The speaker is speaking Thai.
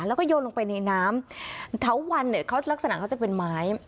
แล้วก็โยนลงไปในน้ำเถาวันเนี่ยเขาลักษณะเขาจะเป็นไม้